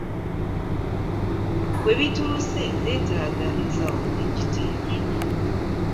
Webituuse netaaga ensaawo mwenjiteeka .